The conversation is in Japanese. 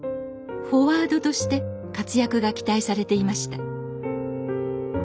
フォワードとして活躍が期待されていました。